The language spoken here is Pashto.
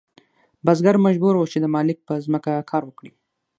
بزګر مجبور و چې د مالک په ځمکه کار وکړي.